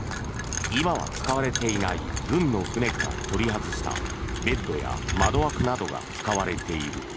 今は使われていない軍の船から取り外したベッドや窓枠などが使われている。